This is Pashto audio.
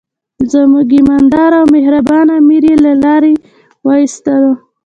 زموږ ایماندار او مهربان امیر یې له لارې وایست.